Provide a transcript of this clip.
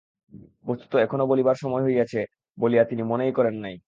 বস্তুত এখনো বলিবার সময় হইয়াছে বলিয়া তিনি মনেই করেন নাই।